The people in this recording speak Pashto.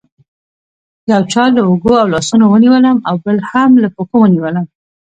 یو چا له اوږو او لاسونو ونیولم او بل هم له پښو ونیولم.